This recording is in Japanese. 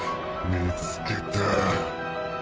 ・見つけた！